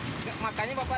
ini bapak jangan marah marah